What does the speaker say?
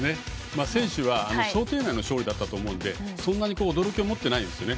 選手は想定内の勝負だったと思うんでそんなに驚きを持ってないんですよね。